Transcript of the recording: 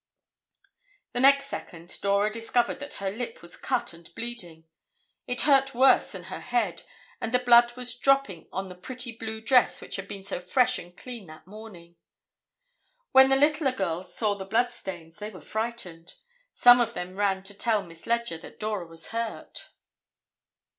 The next second Dora discovered that her lip was cut and bleeding. It hurt worse than her head and the blood was dropping on the pretty blue dress which had been so fresh and clean that morning. When the littler girls saw the blood stains, they were frightened. Some of them ran to tell Miss Leger that Dora was hurt.